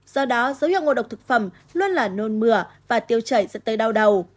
do đó dấu hiệu ngộ độc thực phẩm luôn là nôn mửa và tiêu chảy dẫn tới đau đầu